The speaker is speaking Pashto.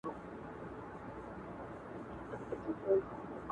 وروسته نجلۍ غوجلې ته وړل کيږي او حالت بدلېږي,